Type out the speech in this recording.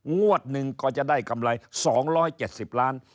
งวดหนึ่งก็จะได้กำไร๒๗๐ล้าน